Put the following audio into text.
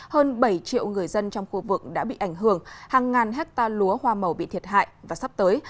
hơn bảy triệu người dân trong khu vực đã bị ảnh hưởng hàng ngàn hecta lúa hoa màu bị thiệt hại và sắp tới